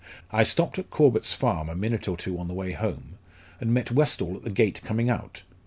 I stopped at Corbett's farm a minute or two on the way home, and met Westall at the gate coming out.